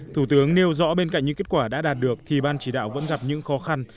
thủ tướng nêu rõ bên cạnh những kết quả đã đạt được thì ban chỉ đạo vẫn gặp những khó khăn